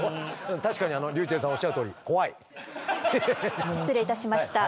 確かにｒｙｕｃｈｅｌｌさんおっしゃるとおり失礼いたしました。